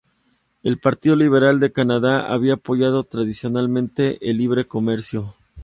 El Partido Liberal de Canadá había apoyado tradicionalmente el libre comercio.